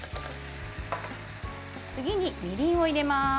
次に、みりんを入れます。